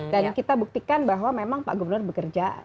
dan kita buktikan bahwa memang pak gubernur bekerja